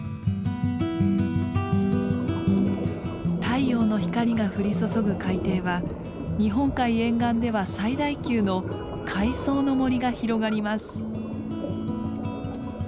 太陽の光が降り注ぐ海底は日本海沿岸では最大級の海藻の森が広がります。